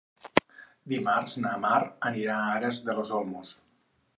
Dimarts na Mar anirà a Aras de los Olmos.